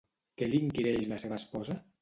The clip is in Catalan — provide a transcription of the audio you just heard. Què li inquireix la seva esposa?